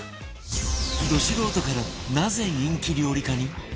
ド素人からなぜ人気料理家に？